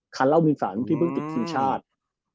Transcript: คันเล่าบินษันที่เบื้องกฤษทีมชาติ